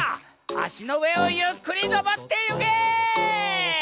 あしのうえをゆっくりのぼってゆけ！